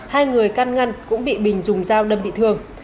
hai người can ngăn cũng bị bình dùng dao đâm bị thương